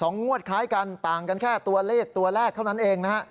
งวดคล้ายกันต่างกันแค่ตัวเลขตัวแรกเท่านั้นเองนะฮะ